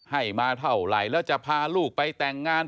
ให้มาเท่าไหร่แล้วจะพาลูกไปแต่งงาน